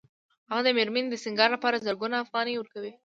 هغه د مېرمنې د سینګار لپاره زرګونه افغانۍ ورکوي